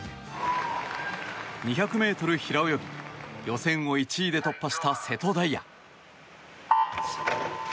２００ｍ平泳ぎ予選を１位で突破した瀬戸大也。